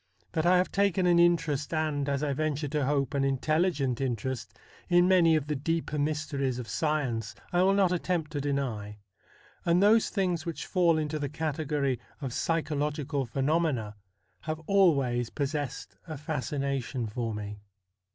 That I have taken an interest, and, as I venture to hope, an intelli gent interest in many of the deeper mysteries of science, I will not attempt to deny ; and those things which fall into the category of psychological phenomena have always pos sessed a fascination for me.